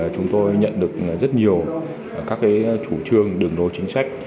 chúng tôi nhận được rất nhiều các chủ trương đường lối chính sách